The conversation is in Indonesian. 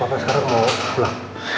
bapak sekarang mau pulang